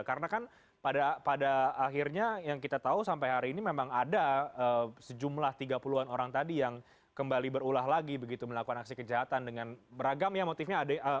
karena kan pada akhirnya yang kita tahu sampai hari ini memang ada sejumlah tiga puluh an orang tadi yang kembali berulah lagi begitu melakukan aksi kejahatan dengan beragam ya motifnya